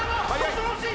恐ろしい！